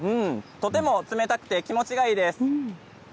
とても冷たくて気持ちがいいです。